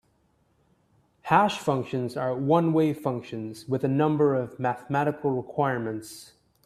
Hash functions are one-way functions with a number of mathematical requirements.